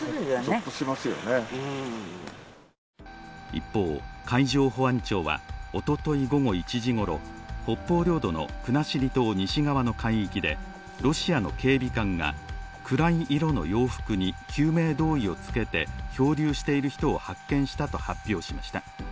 一方、海上保安庁はおととい午後１時ごろ、北方領土の国後島西側の海域で、ロシアの警備艦が暗い色の洋服に救命胴衣を着けて漂流している人を発見したと発表しました。